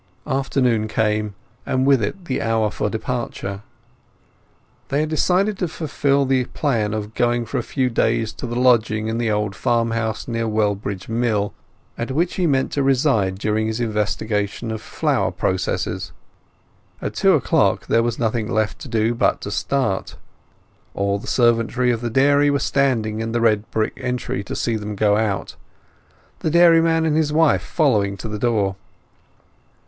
Afternoon came, and with it the hour for departure. They had decided to fulfil the plan of going for a few days to the lodgings in the old farmhouse near Wellbridge Mill, at which he meant to reside during his investigation of flour processes. At two o'clock there was nothing left to do but to start. All the servantry of the dairy were standing in the red brick entry to see them go out, the dairyman and his wife following to the door.